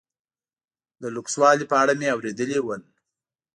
د لوکسوالي په اړه مې اورېدلي ول.